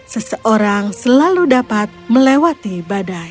seseorang selalu dapat melewati badai